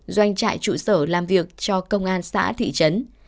doanh trại trụ sở làm việc cho công an xã thị trấn